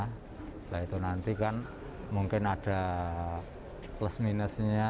setelah itu nanti kan mungkin ada plus minusnya